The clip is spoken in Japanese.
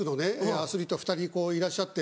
アスリート２人いらっしゃって。